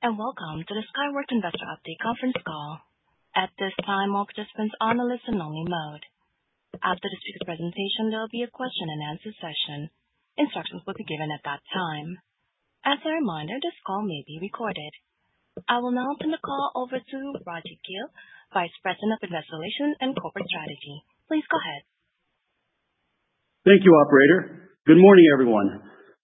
Okay. And welcome to the Skyworks Investor Update conference call. At this time, all participants are on a listen-only mode. After the speaker's presentation, there will be a question-and-answer session. Instructions will be given at that time. As a reminder, this call may be recorded. I will now turn the call over to Raji Gill, Vice President of Investor Relations and Corporate Strategy. Please go ahead. Thank you, Operator. Good morning, everyone.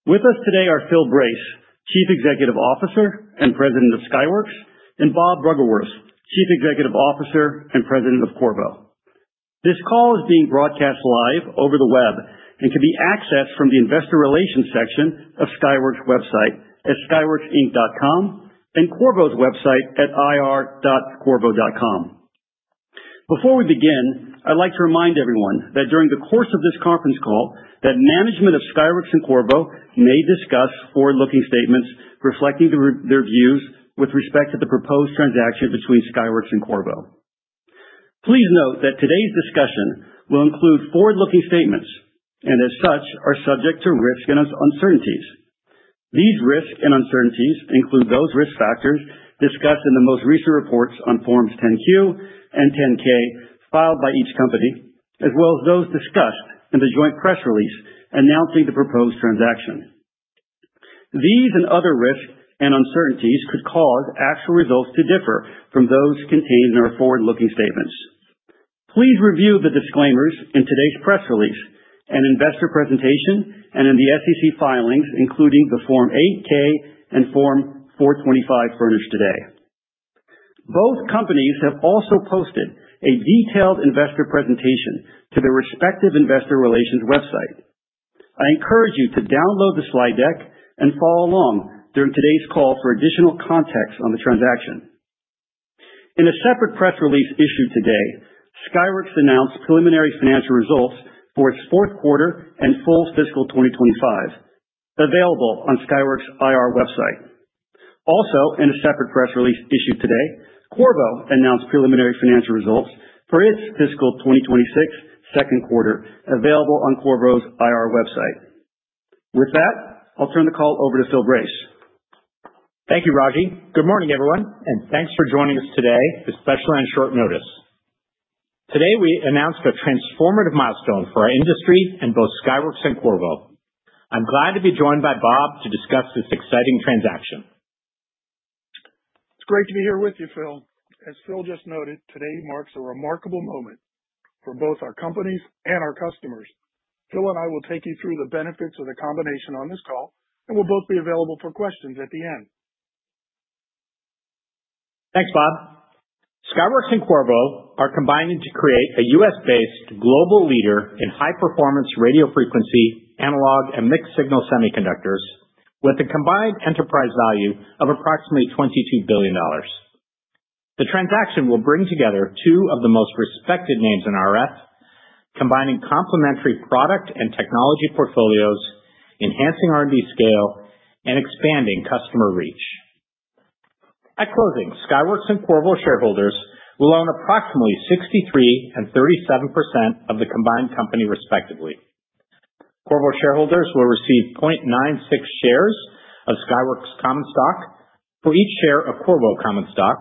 With us today are Phil Brace, Chief Executive Officer and President of Skyworks, and Bob Bruggeworth, Chief Executive Officer and President of Qorvo. This call is being broadcast live over the web and can be accessed from the Investor Relations section of Skyworks' website at skyworksinc.com and Qorvo's website at ir.qorvo.com. Before we begin, I'd like to remind everyone that during the course of this conference call, management of Skyworks and Qorvo may discuss forward-looking statements reflecting their views with respect to the proposed transaction between Skyworks and Qorvo. Please note that today's discussion will include forward-looking statements and, as such, are subject to risk and uncertainties. These risk and uncertainties include those risk factors discussed in the most recent reports on Forms 10-Q and 10-K filed by each company, as well as those discussed in the joint press release announcing the proposed transaction. These and other risks and uncertainties could cause actual results to differ from those contained in our forward-looking statements. Please review the disclaimers in today's press release, an investor presentation, and in the SEC filings, including the Form 8-K and Form 425 furnished today. Both companies have also posted a detailed investor presentation to their respective investor relations website. I encourage you to download the slide deck and follow along during today's call for additional context on the transaction. In a separate press release issued today, Skyworks announced preliminary financial results for its fourth quarter and full fiscal 2025, available on Skyworks' IR website. Also, in a separate press release issued today, Qorvo announced preliminary financial results for its fiscal 2026 second quarter, available on Qorvo's IR website. With that, I'll turn the call over to Phil Brace. Thank you, Raji. Good morning, everyone, and thanks for joining us today with special and short notice. Today, we announced a transformative milestone for our industry in both Skyworks and Qorvo. I'm glad to be joined by Bob to discuss this exciting transaction. It's great to be here with you, Phil. As Phil just noted, today marks a remarkable moment for both our companies and our customers. Phil and I will take you through the benefits of the combination on this call, and we'll both be available for questions at the end. Thanks, Bob. Skyworks and Qorvo are combining to create a U.S.-based global leader in high-performance radio frequency analog and mixed-signal semiconductors, with a combined enterprise value of approximately $22 billion. The transaction will bring together two of the most respected names in RF, combining complementary product and technology portfolios, enhancing R&D scale, and expanding customer reach. At closing, Skyworks and Qorvo shareholders will own approximately 63% and 37% of the combined company, respectively. Qorvo shareholders will receive 0.96 shares of Skyworks Common Stock for each share of Qorvo Common Stock,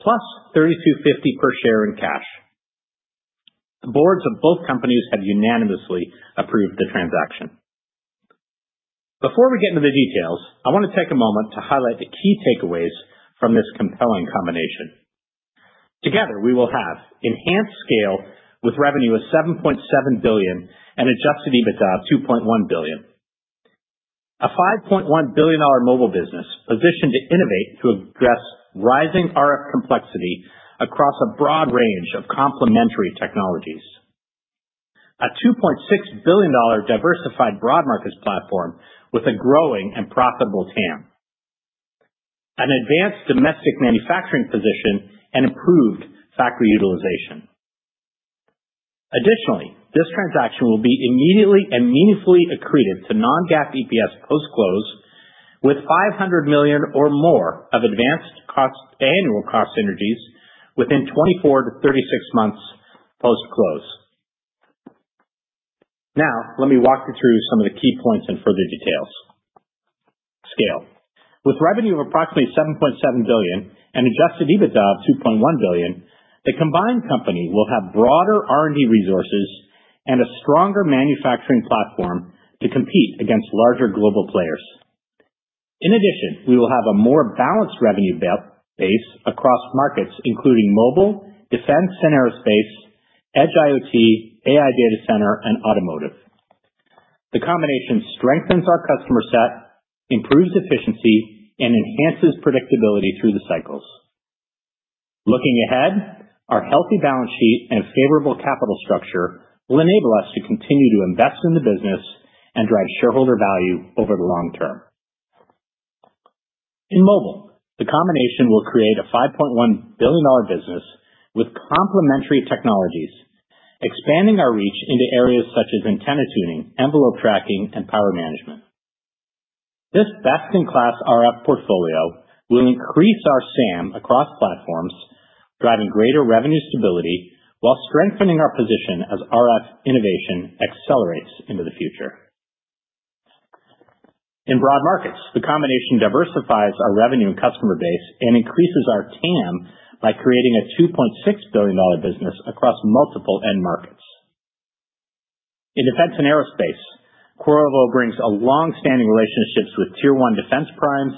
plus $32.50 per share in cash. The boards of both companies have unanimously approved the transaction. Before we get into the details, I want to take a moment to highlight the key takeaways from this compelling combination. Together, we will have enhanced scale with revenue of $7.7 billion and adjusted EBITDA of $2.1 billion, a $5.1 billion mobile business positioned to innovate to address rising RF complexity across a broad range of complementary technologies, a $2.6 billion diversified broad markets platform with a growing and profitable TAM, an advanced domestic manufacturing position, and improved factory utilization. Additionally, this transaction will be immediately and meaningfully accretive to non-GAAP EPS post-close, with $500 million or more of advanced annual cost synergies within 24 to 36 months post-close. Now, let me walk you through some of the key points in further details. Scale. With revenue of approximately $7.7 billion and adjusted EBITDA of $2.1 billion, the combined company will have broader R&D resources and a stronger manufacturing platform to compete against larger global players. In addition, we will have a more balanced revenue base across markets, including mobile, defense, and aerospace, edge IoT, AI data center, and automotive. The combination strengthens our customer set, improves efficiency, and enhances predictability through the cycles. Looking ahead, our healthy balance sheet and favorable capital structure will enable us to continue to invest in the business and drive shareholder value over the long term. In mobile, the combination will create a $5.1 billion business with complementary technologies, expanding our reach into areas such as antenna tuning, envelope tracking, and power management. This best-in-class RF portfolio will increase our SAM across platforms, driving greater revenue stability while strengthening our position as RF innovation accelerates into the future. In broad markets, the combination diversifies our revenue and customer base and increases our TAM by creating a $2.6 billion business across multiple end markets. In defense and aerospace, Qorvo brings long-standing relationships with Tier 1 defense primes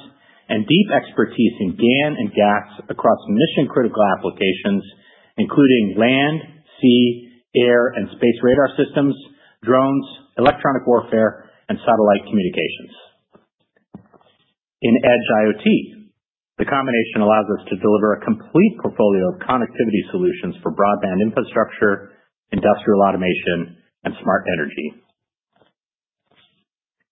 and deep expertise in GaN and GaAs across mission-critical applications, including land, sea, air, and space radar systems, drones, electronic warfare, and satellite communications. In edge IoT, the combination allows us to deliver a complete portfolio of connectivity solutions for broadband infrastructure, industrial automation, and smart energy.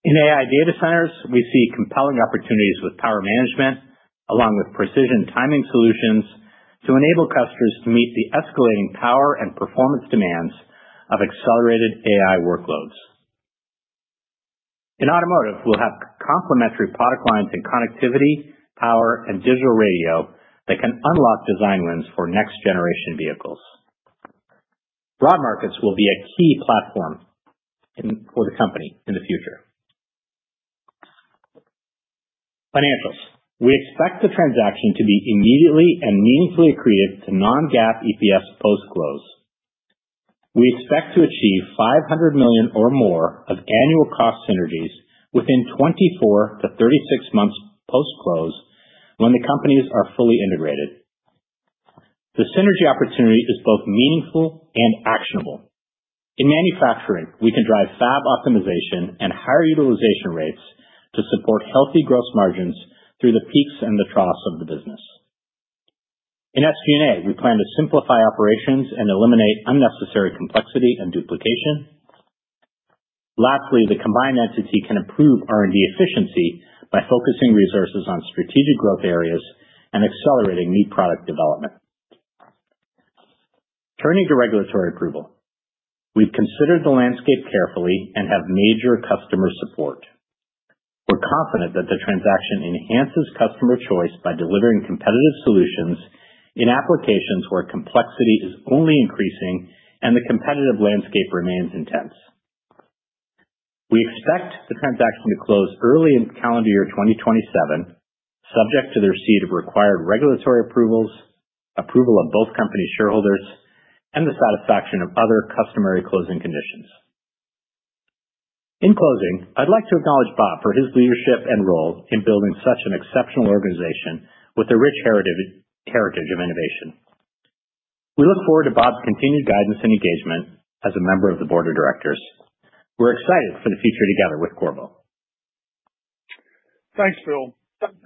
In AI data centers, we see compelling opportunities with power management, along with precision timing solutions to enable customers to meet the escalating power and performance demands of accelerated AI workloads. In automotive, we'll have complementary product lines in connectivity, power, and digital radio that can unlock design wins for next-generation vehicles. Broad markets will be a key platform for the company in the future. Financials. We expect the transaction to be immediately and meaningfully accretive to non-GAAP EPS post-close. We expect to achieve $500 million or more of annual cost synergies within 24-36 months post-close when the companies are fully integrated. The synergy opportunity is both meaningful and actionable. In manufacturing, we can drive fab optimization and higher utilization rates to support healthy gross margins through the peaks and the troughs of the business. In SG&A, we plan to simplify operations and eliminate unnecessary complexity and duplication. Lastly, the combined entity can improve R&D efficiency by focusing resources on strategic growth areas and accelerating new product development. Turning to regulatory approval, we've considered the landscape carefully and have major customer support. We're confident that the transaction enhances customer choice by delivering competitive solutions in applications where complexity is only increasing and the competitive landscape remains intense. We expect the transaction to close early in calendar year 2027, subject to the receipt of required regulatory approvals, approval of both companies' shareholders, and the satisfaction of other customary closing conditions. In closing, I'd like to acknowledge Bob for his leadership and role in building such an exceptional organization with a rich heritage of innovation. We look forward to Bob's continued guidance and engagement as a member of the board of directors. We're excited for the future together with Qorvo. Thanks, Phil.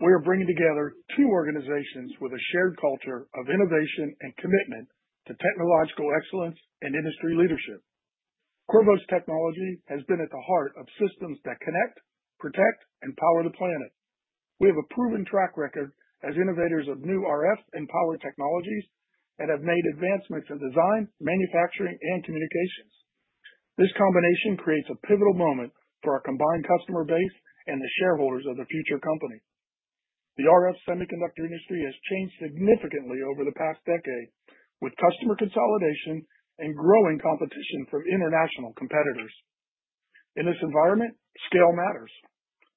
We are bringing together two organizations with a shared culture of innovation and commitment to technological excellence and industry leadership. Qorvo's technology has been at the heart of systems that connect, protect, and power the planet. We have a proven track record as innovators of new RF and power technologies and have made advancements in design, manufacturing, and communications. This combination creates a pivotal moment for our combined customer base and the shareholders of the future company. The RF semiconductor industry has changed significantly over the past decade, with customer consolidation and growing competition from international competitors. In this environment, scale matters.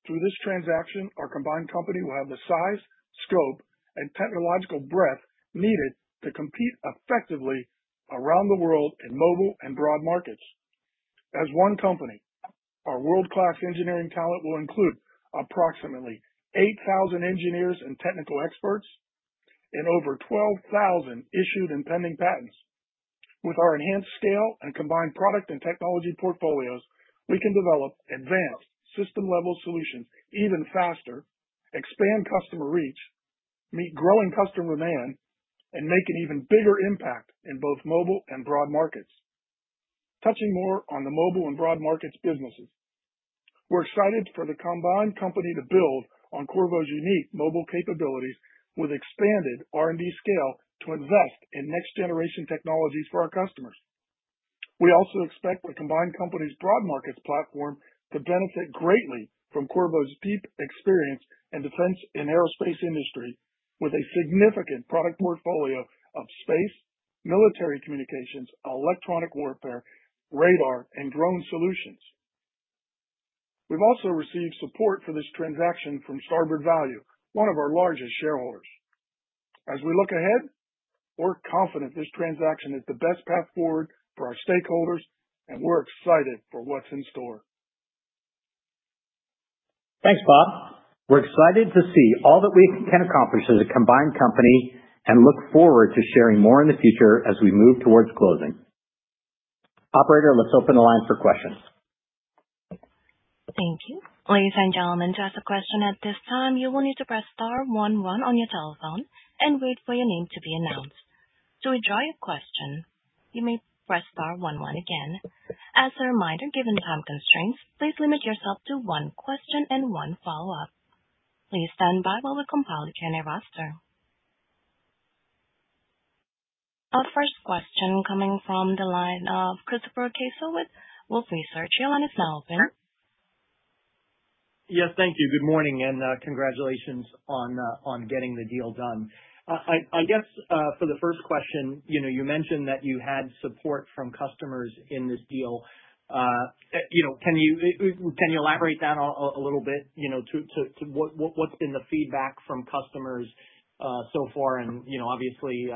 Through this transaction, our combined company will have the size, scope, and technological breadth needed to compete effectively around the world in mobile and broad markets. As one company, our world-class engineering talent will include approximately 8,000 engineers and technical experts and over 12,000 issued and pending patents. With our enhanced scale and combined product and technology portfolios, we can develop advanced system-level solutions even faster, expand customer reach, meet growing customer demand, and make an even bigger impact in both mobile and broad markets. Touching more on the mobile and broad markets businesses, we're excited for the combined company to build on Qorvo's unique mobile capabilities with expanded R&D scale to invest in next-generation technologies for our customers. We also expect the combined company's broad markets platform to benefit greatly from Qorvo's deep experience in defense and aerospace industry, with a significant product portfolio of space, military communications, electronic warfare, radar, and drone solutions. We've also received support for this transaction from Starboard Value, one of our largest shareholders. As we look ahead, we're confident this transaction is the best path forward for our stakeholders, and we're excited for what's in store. Thanks, Bob. We're excited to see all that we can accomplish as a combined company and look forward to sharing more in the future as we move towards closing. Operator, let's open the line for questions. Thank you. Ladies and gentlemen, to ask a question at this time, you will need to press star 11 on your telephone and wait for your name to be announced. To withdraw your question, you may press star 11 again. As a reminder, given time constraints, please limit yourself to one question and one follow-up. Please stand by while we compile the Q&A roster. Our first question coming from the line of Chris Caso with Wolfe Research. Your line is now open. Yes, thank you. Good morning and congratulations on getting the deal done. I guess for the first question, you mentioned that you had support from customers in this deal. Can you elaborate that a little bit? What's been the feedback from customers so far? And obviously,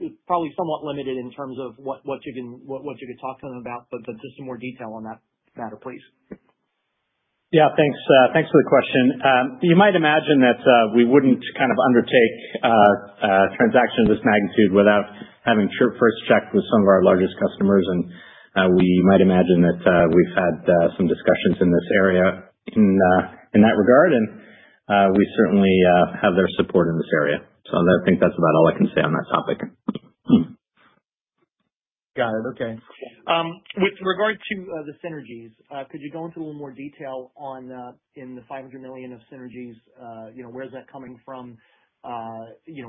it's probably somewhat limited in terms of what you could talk to them about, but just some more detail on that matter, please. Yeah, thanks for the question. You might imagine that we wouldn't kind of undertake a transaction of this magnitude without having first checked with some of our largest customers. And we might imagine that we've had some discussions in this area in that regard. And we certainly have their support in this area. So I think that's about all I can say on that topic. Got it. Okay. With regard to the synergies, could you go into a little more detail on the $500 million of synergies? Where's that coming from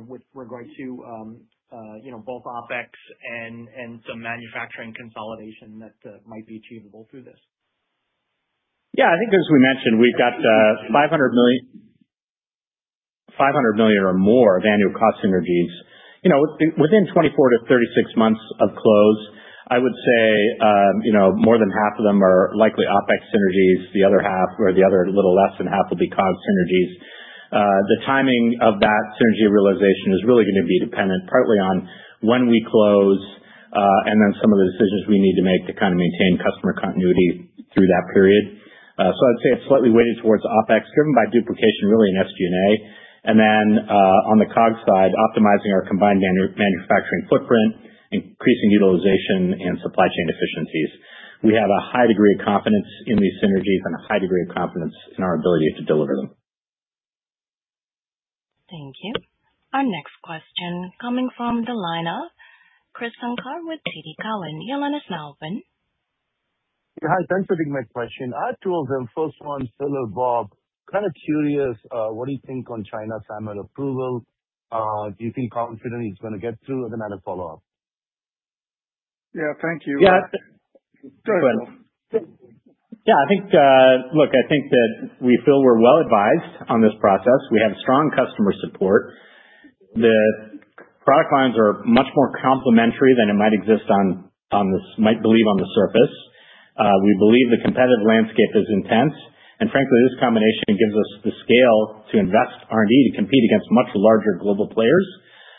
with regard to both OPEX and some manufacturing consolidation that might be achievable through this? Yeah, I think as we mentioned, we've got $500 million or more of annual cost synergies. Within 24-36 months of close, I would say more than half of them are likely OPEX synergies. The other half, or the other little less than half, will be COGS synergies. The timing of that synergy realization is really going to be dependent partly on when we close and then some of the decisions we need to make to kind of maintain customer continuity through that period. So I'd say it's slightly weighted towards OPEX, driven by duplication, really, in SG&A. And then on the COGS side, optimizing our combined manufacturing footprint, increasing utilization, and supply chain efficiencies. We have a high degree of confidence in these synergies and a high degree of confidence in our ability to deliver them. Thank you. Our next question coming from the line of Krish Sankar with TD Cowen. Your line is now open. Hi, thanks for taking my question. I have two of them. First one, Phil, Bob, kind of curious, what do you think on China's SAMR approval? Do you feel confident it's going to get through, and then I have a follow-up. Yeah, thank you. Yeah, I think, look, I think that we feel we're well advised on this process. We have strong customer support. The product lines are much more complementary than it might exist on this, might believe on the surface. We believe the competitive landscape is intense, and frankly, this combination gives us the scale to invest R&D to compete against much larger global players,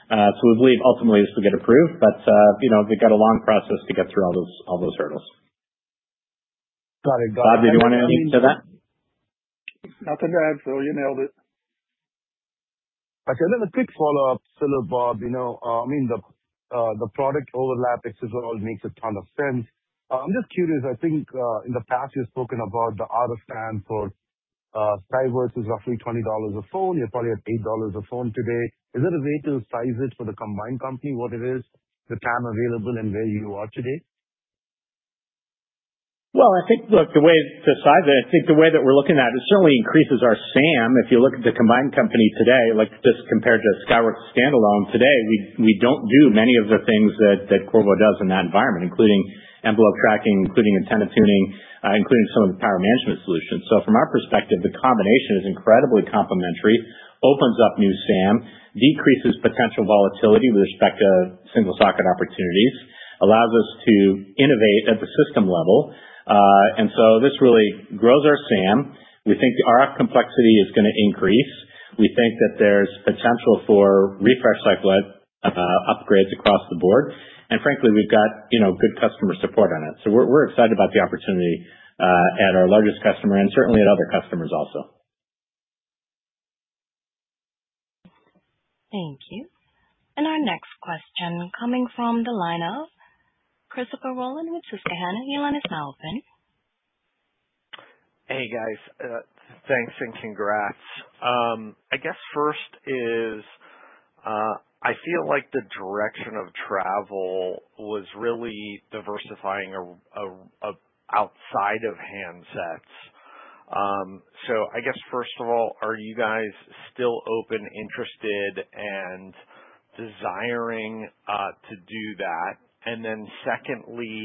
so we believe ultimately this will get approved, but we've got a long process to get through all those hurdles. Got it. Bob, did you want to add anything to that? Nothing to add, Phil. You nailed it. I've got a quick follow-up, Phil, Bob. I mean, the product overlap, this all makes a ton of sense. I'm just curious, I think in the past you've spoken about the content for Skyworks is roughly $20 a phone. You're probably at $8 a phone today. Is there a way to size it for the combined company, what it is, the TAM available, and where you are today? Well, I think, look, the way to size it, I think the way that we're looking at it certainly increases our SAM. If you look at the combined company today, just compared to Skyworks standalone today, we don't do many of the things that Qorvo does in that environment, including envelope tracking, including antenna tuning, including some of the power management solutions. So from our perspective, the combination is incredibly complementary, opens up new SAM, decreases potential volatility with respect to single-socket opportunities, allows us to innovate at the system level. And so this really grows our SAM. We think the RF complexity is going to increase. We think that there's potential for refresh cycle upgrades across the board. And frankly, we've got good customer support on it. So we're excited about the opportunity at our largest customer and certainly at other customers also. Thank you. And our next question coming from the line of Christopher Rolland with Susquehanna. Your line is now open. Hey, guys. Thanks and congrats. I guess first is I feel like the direction of travel was really diversifying outside of handsets. So I guess first of all, are you guys still open, interested, and desiring to do that? And then secondly,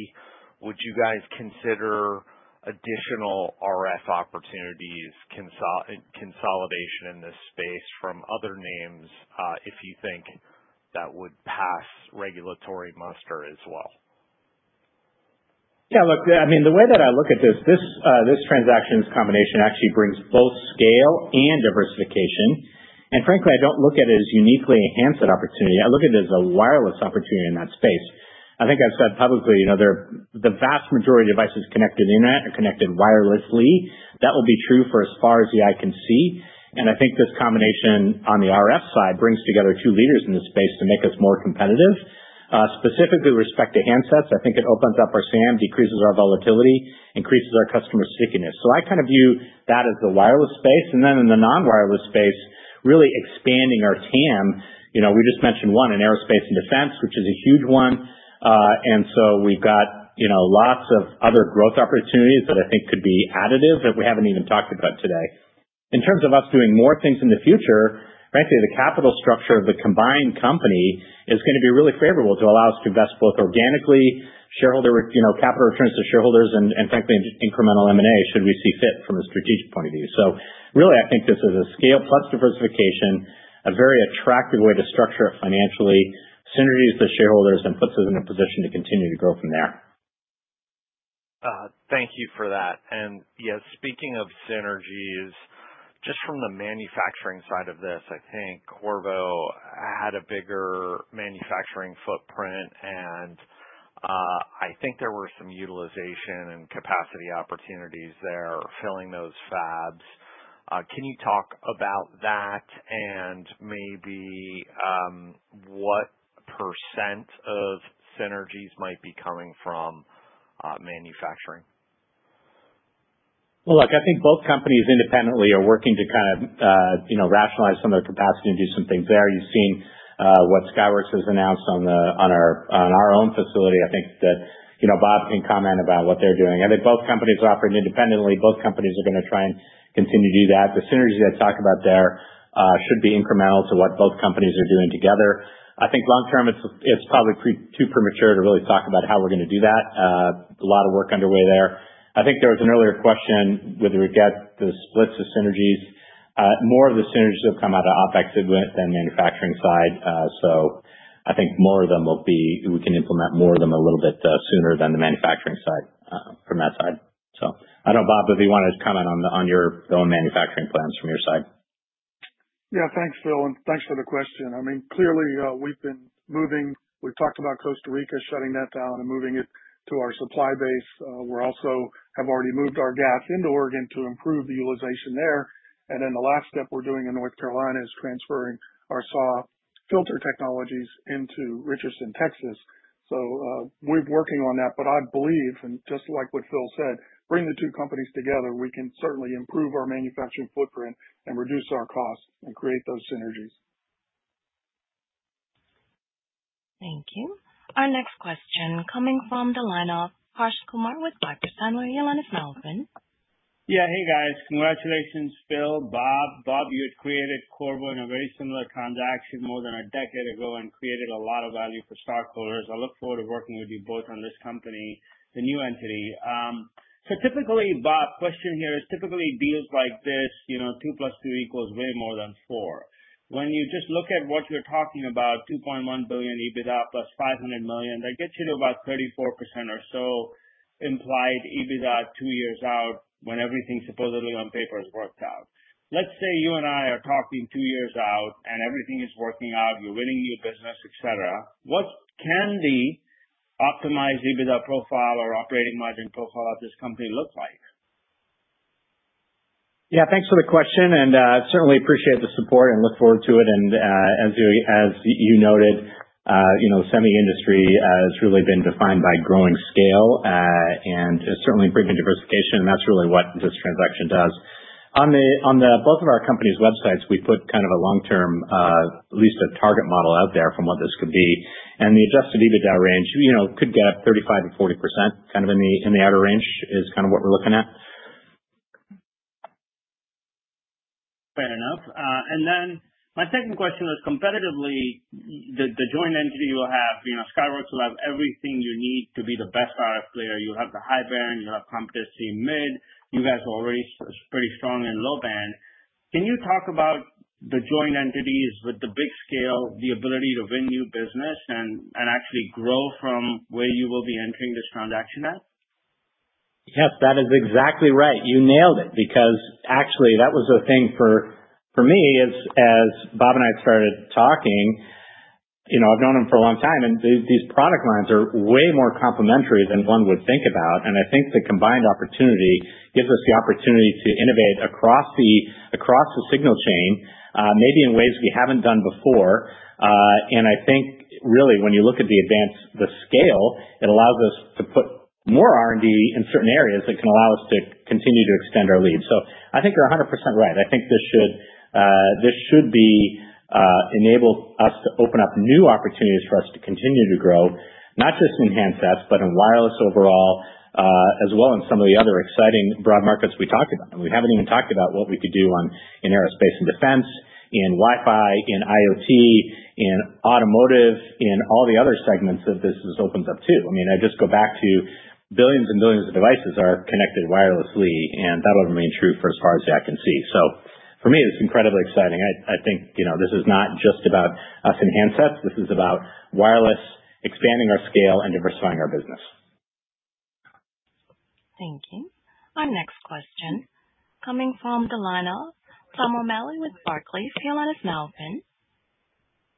would you guys consider additional RF opportunities, consolidation in this space from other names if you think that would pass regulatory muster as well? Yeah, look, I mean, the way that I look at this, this transaction's combination actually brings both scale and diversification. And frankly, I don't look at it as uniquely a handset opportunity. I look at it as a wireless opportunity in that space. I think I've said publicly, the vast majority of devices connected to the internet are connected wirelessly. That will be true for as far as the eye can see. And I think this combination on the RF side brings together two leaders in this space to make us more competitive. Specifically with respect to handsets, I think it opens up our SAM, decreases our volatility, increases our customer stickiness. So I kind of view that as the wireless space. And then in the non-wireless space, really expanding our TAM. We just mentioned one, an aerospace and defense, which is a huge one. And so we've got lots of other growth opportunities that I think could be additive that we haven't even talked about today. In terms of us doing more things in the future, frankly, the capital structure of the combined company is going to be really favorable to allow us to invest both organically, capital returns to shareholders, and frankly, incremental M&A should we see fit from a strategic point of view. So really, I think this is a scale plus diversification, a very attractive way to structure it financially, synergies the shareholders, and puts us in a position to continue to grow from there. Thank you for that, and yeah, speaking of synergies, just from the manufacturing side of this, I think Qorvo had a bigger manufacturing footprint, and I think there were some utilization and capacity opportunities there filling those fabs. Can you talk about that and maybe what % of synergies might be coming from manufacturing? Well, look, I think both companies independently are working to kind of rationalize some of their capacity and do some things there. You've seen what Skyworks has announced on our own facility. I think that Bob can comment about what they're doing. I think both companies are operating independently. Both companies are going to try and continue to do that. The synergy I talked about there should be incremental to what both companies are doing together. I think long-term, it's probably too premature to really talk about how we're going to do that. A lot of work underway there. I think there was an earlier question whether we get the splits of synergies. More of the synergies have come out of OPEX than manufacturing side. So I think more of them will be we can implement more of them a little bit sooner than the manufacturing side from that side. So I don't know, Bob, if you want to comment on your own manufacturing plans from your side? Yeah, thanks, Phil. And thanks for the question. I mean, clearly, we've been moving. We've talked about Costa Rica shutting that down and moving it to our supply base. We also have already moved our GaAs into Oregon to improve the utilization there. And then the last step we're doing in North Carolina is transferring our SAW filter technologies into Richardson, Texas. So we're working on that. But I believe, and just like what Phil said, bring the two companies together, we can certainly improve our manufacturing footprint and reduce our costs and create those synergies. Thank you. Our next question coming from the line of Harsh Kumar with Piper Sandler. Your line is now open. Yeah, hey, guys. Congratulations, Phil, Bob. Bob, you had created Qorvo in a very similar transaction more than a decade ago and created a lot of value for stockholders. I look forward to working with you both on this company, the new entity. Typically, Bob, the question here is typically deals like this, two plus two equals way more than four. When you just look at what you're talking about, $2.1 billion EBITDA plus $500 million, that gets you to about 34% or so implied EBITDA two years out when everything supposedly on paper is worked out. Let's say you and I are talking two years out and everything is working out, you're winning your business, etc. What can the optimized EBITDA profile or operating margin profile of this company look like? Yeah. Thanks for the question and certainly appreciate the support and look forward to it. And as you noted, semi-industry has really been defined by growing scale and certainly bringing diversification. And that's really what this transaction does. On both of our companies' websites, we put kind of a long-term, at least a target model out there from what this could be. And the Adjusted EBITDA range could get up 35%-40% kind of in the outer range is kind of what we're looking at. Fair enough. And then my second question was, competitively, the joint entity you'll have, Skyworks will have everything you need to be the best RF player. You have the high band, you have competency mid, you guys are already pretty strong in low band. Can you talk about the joint entities with the big scale, the ability to win new business and actually grow from where you will be entering this transaction at? Yes, that is exactly right. You nailed it because actually that was the thing for me as Bob and I started talking. I've known him for a long time, and these product lines are way more complementary than one would think about, and I think the combined opportunity gives us the opportunity to innovate across the signal chain, maybe in ways we haven't done before, and I think really when you look at the scale, it allows us to put more R&D in certain areas that can allow us to continue to extend our lead, so I think you're 100% right. I think this should enable us to open up new opportunities for us to continue to grow, not just in handsets, but in wireless overall, as well as some of the other exciting broad markets we talked about. And we haven't even talked about what we could do in aerospace and defense, in Wi-Fi, in IoT, in automotive, in all the other segments that this opens up to. I mean, I just go back to billions and billions of devices are connected wirelessly. And that will remain true for as far as the eye can see. So for me, it's incredibly exciting. I think this is not just about us in handsets. This is about wireless, expanding our scale, and diversifying our business. Thank you. Our next question coming from the line of Tom O'Malley with Barclays. Your line is now open.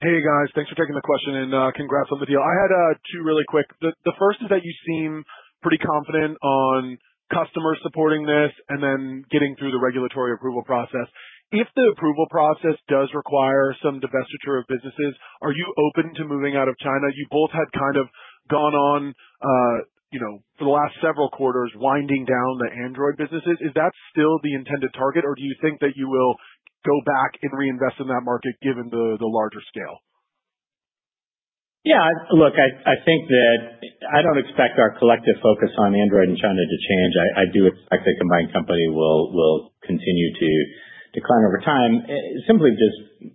Hey, guys. Thanks for taking the question and congrats on the deal. I had two really quick. The first is that you seem pretty confident on customers supporting this and then getting through the regulatory approval process. If the approval process does require some divestiture of businesses, are you open to moving out of China? You both had kind of gone on for the last several quarters winding down the Android businesses. Is that still the intended target, or do you think that you will go back and reinvest in that market given the larger scale? Yeah, look, I think that I don't expect our collective focus on Android in China to change. I do expect the combined company will continue to decline over time. Simply just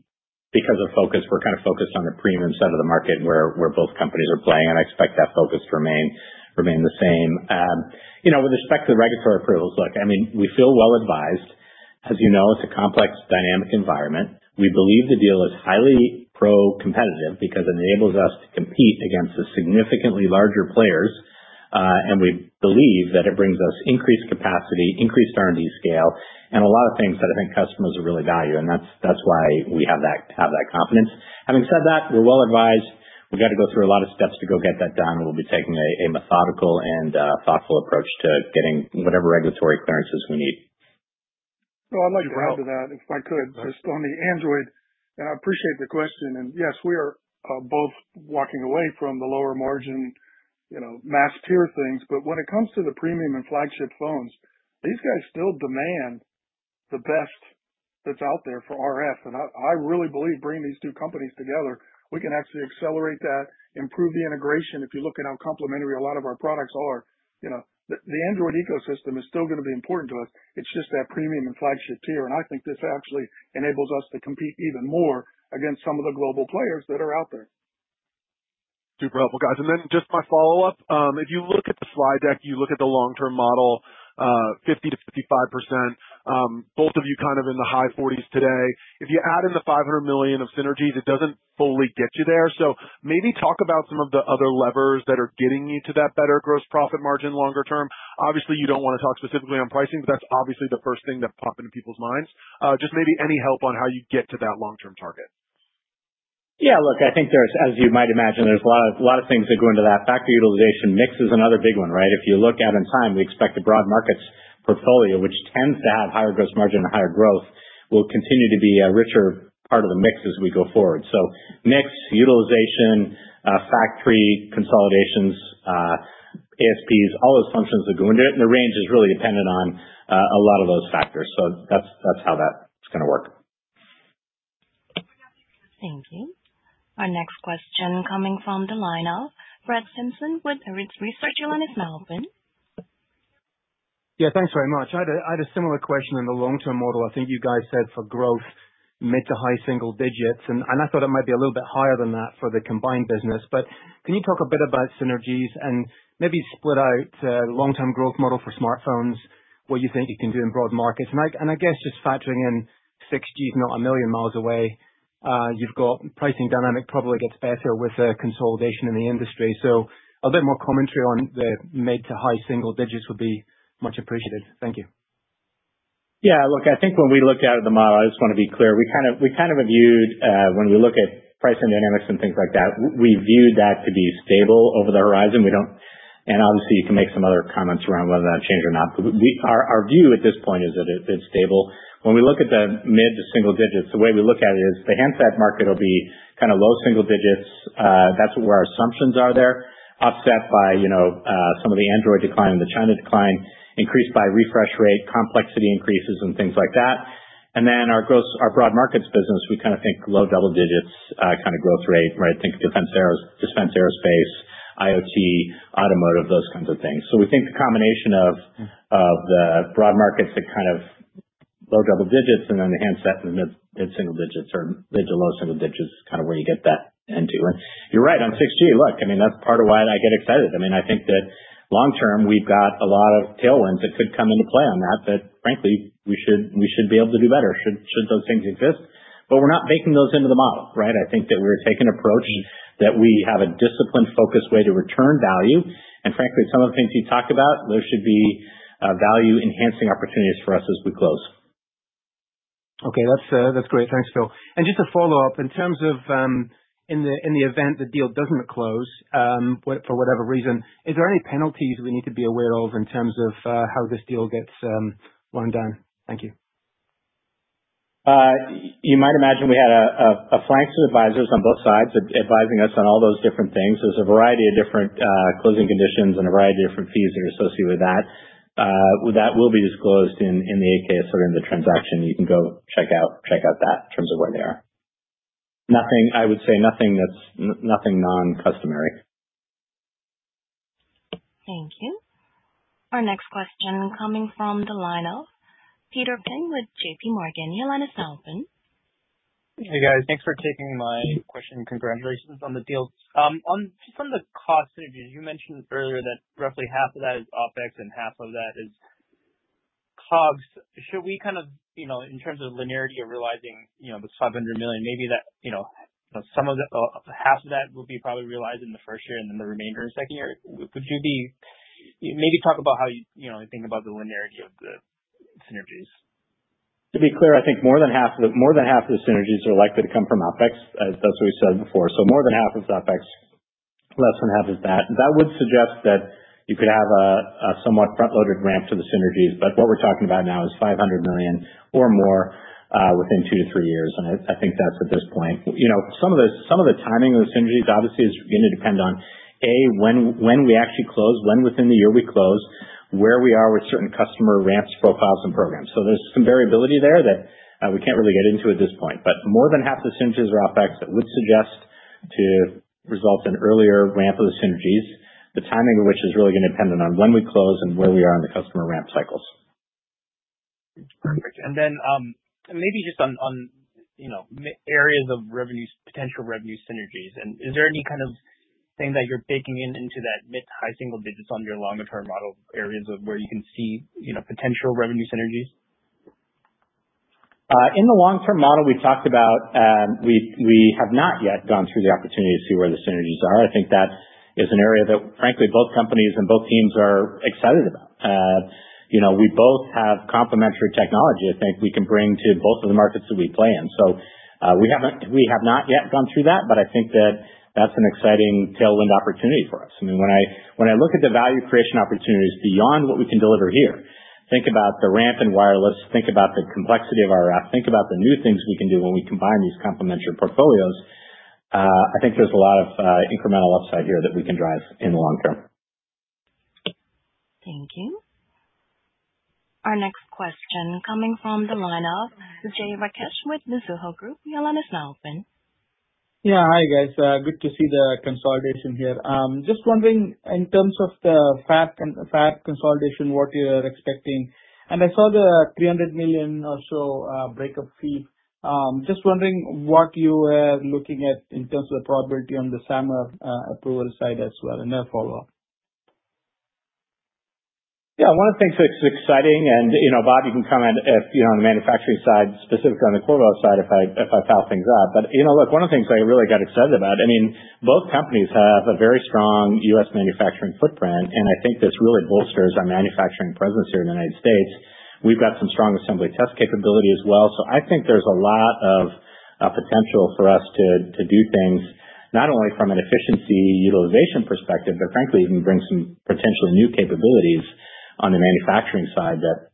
because of focus, we're kind of focused on the premium side of the market where both companies are playing, and I expect that focus to remain the same. With respect to the regulatory approvals, look, I mean, we feel well advised. As you know, it's a complex dynamic environment. We believe the deal is highly pro-competitive because it enables us to compete against the significantly larger players, and we believe that it brings us increased capacity, increased R&D scale, and a lot of things that I think customers really value, and that's why we have that confidence. Having said that, we're well advised. We've got to go through a lot of steps to go get that done. We'll be taking a methodical and thoughtful approach to getting whatever regulatory clearances we need. Well, I'd like to add to that, if I could, just on the Android. And I appreciate the question. And yes, we are both walking away from the lower margin mass tier things. But when it comes to the premium and flagship phones, these guys still demand the best that's out there for RF. And I really believe bringing these two companies together, we can actually accelerate that, improve the integration. If you look at how complementary a lot of our products are, the Android ecosystem is still going to be important to us. It's just that premium and flagship tier. And I think this actually enables us to compete even more against some of the global players that are out there. Super helpful, guys. And then just my follow-up. If you look at the slide deck, you look at the long-term model, 50%-55%, both of you kind of in the high 40s today. If you add in the $500 million of synergies, it doesn't fully get you there. So maybe talk about some of the other levers that are getting you to that better gross profit margin longer term. Obviously, you don't want to talk specifically on pricing, but that's obviously the first thing that pops into people's minds. Just maybe any help on how you get to that long-term target? Yeah, look, I think there's, as you might imagine, there's a lot of things that go into that. Factory utilization mix is another big one, right? If you look ahead in time, we expect a broad markets portfolio, which tends to have higher gross margin and higher growth, will continue to be a richer part of the mix as we go forward. So mix, utilization, factory, consolidations, ASPs, all those factors that go into it. And the range is really dependent on a lot of those factors. So that's how that's going to work. Thank you. Our next question coming from the line of Brett Simpson with Arete Research. Your line is now open. Yeah, thanks very much. I had a similar question in the long-term model. I think you guys said for growth, mid to high single digits. And I thought it might be a little bit higher than that for the combined business. But can you talk a bit about synergies and maybe split out long-term growth model for smartphones, what you think you can do in broad markets? And I guess just factoring in 6G is not a million miles away. You've got pricing dynamic probably gets better with consolidation in the industry. So a bit more commentary on the mid to high single digits would be much appreciated. Thank you. Yeah, look, I think when we looked at the model, I just want to be clear. We kind of viewed when we look at pricing dynamics and things like that, we viewed that to be stable over the horizon. And obviously, you can make some other comments around whether that changed or not. But our view at this point is that it's stable. When we look at the mid to single digits, the way we look at it is the handset market will be kind of low single digits. That's where our assumptions are there, offset by some of the Android decline and the China decline, increased by refresh rate, complexity increases, and things like that. And then our broad markets business, we kind of think low double digits kind of growth rate, right? Think defense aerospace, IoT, automotive, those kinds of things. So we think the combination of the broad markets that kind of low double digits and then the handset in the mid single digits or mid to low single digits is kind of where you get that into, and you're right on 6G. Look, I mean, that's part of why I get excited. I mean, I think that long-term, we've got a lot of tailwinds that could come into play on that, but frankly, we should be able to do better should those things exist, but we're not baking those into the model, right? I think that we're taking an approach that we have a disciplined focus way to return value, and frankly, some of the things you talk about, there should be value-enhancing opportunities for us as we close. Okay, that's great. Thanks, Phil. And just to follow up, in terms of the event the deal doesn't close for whatever reason, is there any penalties we need to be aware of in terms of how this deal gets wound down? Thank you. You might imagine we had a bank of advisors on both sides advising us on all those different things. There's a variety of different closing conditions and a variety of different fees that are associated with that. That will be disclosed in the 8-Ks or in the transaction. You can go check out that in terms of where they are. I would say nothing non-customary. Thank you. Our next question coming from the line of Peter Peng with J.P. Morgan, your line is now open. Hey, guys. Thanks for taking my question. Congratulations on the deal. From the cost synergies, you mentioned earlier that roughly half of that is OPEX and half of that is COGS. Should we kind of, in terms of linearity of realizing this $500 million, maybe that some of the half of that will be probably realized in the first year and then the remainder in the second year? Would you be maybe talk about how you think about the linearity of the synergies? To be clear, I think more than half of the synergies are likely to come from OPEX, as we said before. So more than half is OPEX, less than half is that. That would suggest that you could have a somewhat front-loaded ramp to the synergies. But what we're talking about now is $500 million or more within two to three years. And I think that's at this point. Some of the timing of the synergies, obviously, is going to depend on, A, when we actually close, when within the year we close, where we are with certain customer ramps, profiles, and programs. So there's some variability there that we can't really get into at this point. But more than half the synergies are OpEx. That would suggest to result in an earlier ramp of the synergies, the timing of which is really going to depend on when we close and where we are in the customer ramp cycles. Perfect. And then maybe just on areas of potential revenue synergies. And is there any kind of thing that you're baking into that mid- to high-single-digits on your longer-term model, areas of where you can see potential revenue synergies? In the long-term model, we talked about we have not yet gone through the opportunity to see where the synergies are. I think that is an area that, frankly, both companies and both teams are excited about. We both have complementary technology, I think, we can bring to both of the markets that we play in. So we have not yet gone through that. But I think that that's an exciting tailwind opportunity for us. I mean, when I look at the value creation opportunities beyond what we can deliver here, think about the ramp in wireless, think about the complexity of RF, think about the new things we can do when we combine these complementary portfolios. I think there's a lot of incremental upside here that we can drive in the long term. Thank you. Our next question coming from the line of Vijay Rakesh with Mizuho Group, your line is now open. Yeah, hi, guys. Good to see the consolidation here. Just wondering, in terms of the fab consolidation, what you are expecting, and I saw the $300 million or so breakup fee. Just wondering what you are looking at in terms of the probability on the SAMR approval side as well in their follow-up. Yeah, one of the things that's exciting, and Bob, you can comment if you're on the manufacturing side, specifically on the Qorvo side, if I foul things up. But look, one of the things I really got excited about, I mean, both companies have a very strong U.S. manufacturing footprint. And I think this really bolsters our manufacturing presence here in the United States. We've got some strong assembly test capability as well. So I think there's a lot of potential for us to do things, not only from an efficiency utilization perspective, but frankly, even bring some potentially new capabilities on the manufacturing side that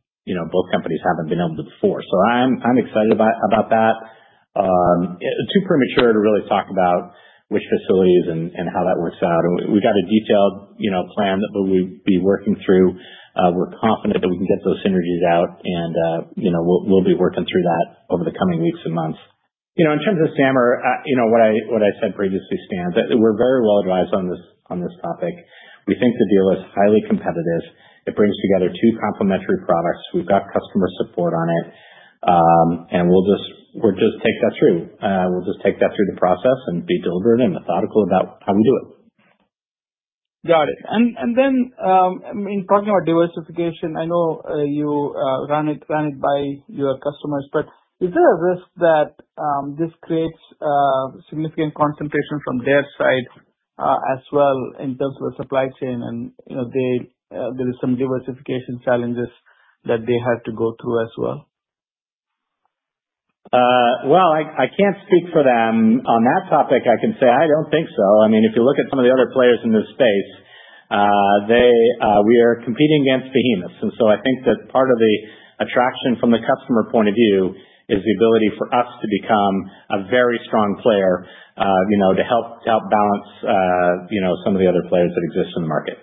both companies haven't been able to before. So I'm excited about that. Too premature to really talk about which facilities and how that works out. We've got a detailed plan that we'll be working through. We're confident that we can get those synergies out. And we'll be working through that over the coming weeks and months. In terms of SAMR, what I said previously stands. We're very well advised on this topic. We think the deal is highly competitive. It brings together two complementary products. We've got customer support on it. And we'll just take that through. We'll just take that through the process and be deliberate and methodical about how we do it. Got it. And then in talking about diversification, I know you run it by your customers. But is there a risk that this creates significant concentration from their side as well in terms of the supply chain? And there are some diversification challenges that they have to go through as well? I can't speak for them on that topic. I can say I don't think so. I mean, if you look at some of the other players in this space, we are competing against behemoths, and so I think that part of the attraction from the customer point of view is the ability for us to become a very strong player to help balance some of the other players that exist in the market.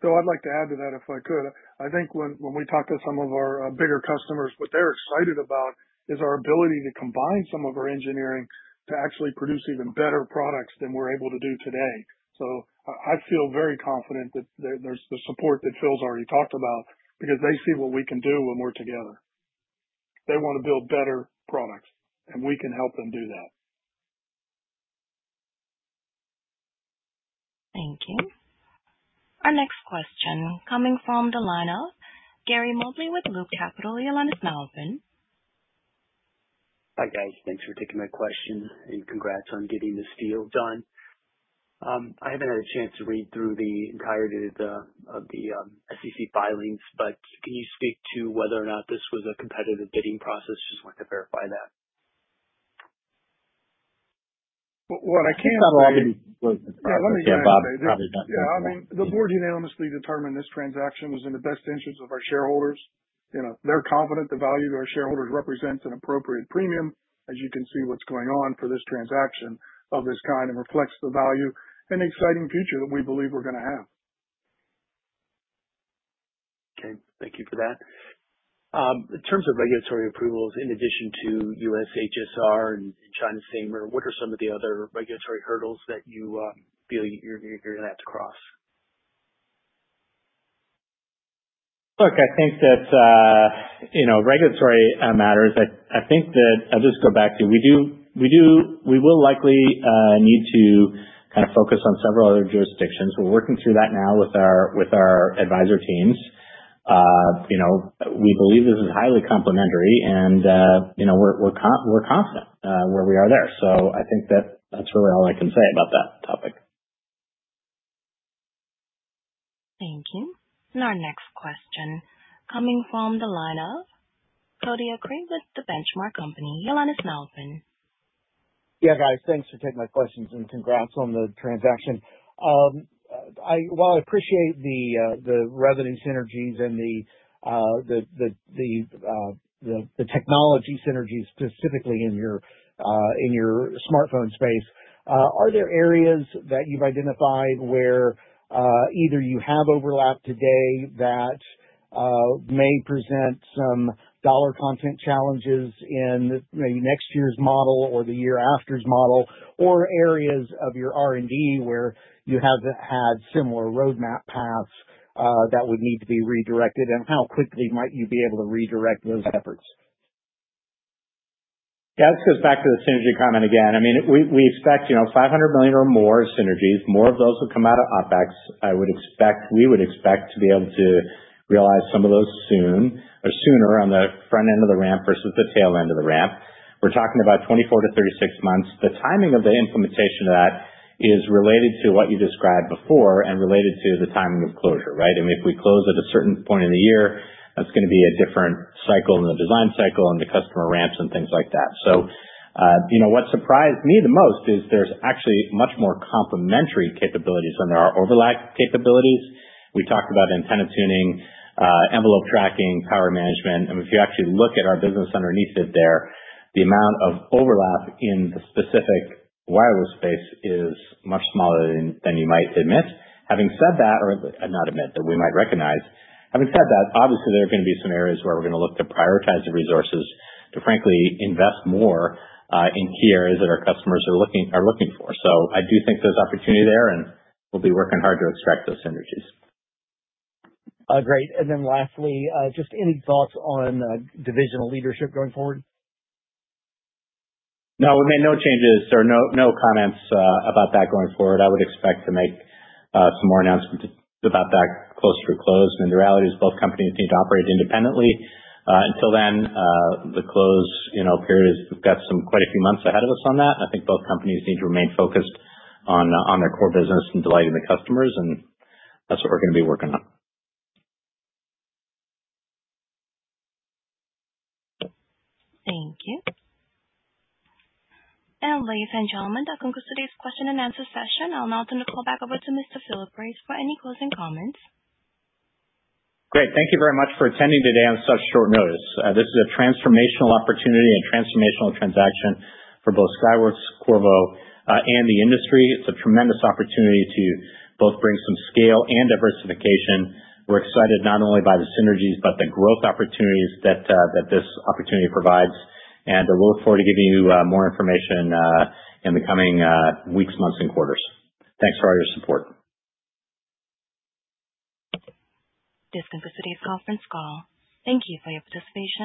Phil, I'd like to add to that if I could. I think when we talk to some of our bigger customers, what they're excited about is our ability to combine some of our engineering to actually produce even better products than we're able to do today. So I feel very confident that there's the support that Phil's already talked about because they see what we can do when we're together. They want to build better products. And we can help them do that. Thank you. Our next question coming from the line of Gary Mobley with Loop Capital, your line is now open. Hi, guys. Thanks for taking my question. And congrats on getting this deal done. I haven't had a chance to read through the entirety of the SEC filings. But can you speak to whether or not this was a competitive bidding process? Just wanted to verify that. What I can't say. Yeah, let me go. Bob, probably not. Yeah, I mean. The board unanimously determined this transaction was in the best interest of our shareholders. They're confident the value that our shareholders represents an appropriate premium. As you can see what's going on for this transaction of this kind, it reflects the value and exciting future that we believe we're going to have. Okay, thank you for that. In terms of regulatory approvals, in addition to U.S. HSR and China SAMR, what are some of the other regulatory hurdles that you feel you're going to have to cross? Look, I think that regulatory matters. I think that I'll just go back to we will likely need to kind of focus on several other jurisdictions. We're working through that now with our advisor teams. We believe this is highly complementary, and we're confident where we are there, so I think that's really all I can say about that topic. Thank you. And our next question coming from the line of Cody Acree with The Benchmark Company, your line is now open. Yeah, guys. Thanks for taking my questions, and congrats on the transaction. While I appreciate the revenue synergies and the technology synergies, specifically in your smartphone space, are there areas that you've identified where either you have overlap today that may present some dollar content challenges in maybe next year's model or the year after's model, or areas of your R&D where you have had similar roadmap paths that would need to be redirected? And how quickly might you be able to redirect those efforts? Yeah, this goes back to the synergy comment again. I mean, we expect $500 million or more synergies, more of those will come out of OPEX. We would expect to be able to realize some of those soon or sooner on the front end of the ramp versus the tail end of the ramp. We're talking about 24 to 36 months. The timing of the implementation of that is related to what you described before and related to the timing of closure, right? I mean, if we close at a certain point in the year, that's going to be a different cycle in the design cycle and the customer ramps and things like that. So what surprised me the most is there's actually much more complementary capabilities than there are overlap capabilities. We talked about antenna tuning, envelope tracking, power management. And if you actually look at our business underneath it there, the amount of overlap in the specific wireless space is much smaller than you might admit. Having said that, or not admit, that we might recognize. Having said that, obviously, there are going to be some areas where we're going to look to prioritize the resources to, frankly, invest more in key areas that our customers are looking for. So I do think there's opportunity there. And we'll be working hard to extract those synergies. Great. And then lastly, just any thoughts on divisional leadership going forward? No, we made no changes or no comments about that going forward. I would expect to make some more announcements about that closer to close, and in reality, both companies need to operate independently. Until then, the close period, we've got quite a few months ahead of us on that. I think both companies need to remain focused on their core business and delighting the customers, and that's what we're going to be working on. Thank you. And ladies and gentlemen, that concludes today's question and answer session. I'll now turn the call back over to Mr. Philip Grace for any closing comments. Great. Thank you very much for attending today on such short notice. This is a transformational opportunity and transformational transaction for both Skyworks, Qorvo, and the industry. It's a tremendous opportunity to both bring some scale and diversification. We're excited not only by the synergies, but the growth opportunities that this opportunity provides, and we'll look forward to giving you more information in the coming weeks, months, and quarters. Thanks for all your support. This concludes today's conference call. Thank you for your participation.